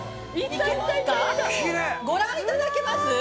◆ご覧いただけます？